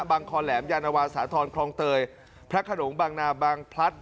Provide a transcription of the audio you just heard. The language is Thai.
คอแหลมยานวาสาธรณ์คลองเตยพระขนงบางนาบางพลัด